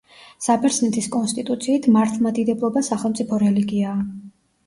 საბერძნეთის კონსტიტუციით მართლმადიდებლობა სახელმწიფო რელიგიაა.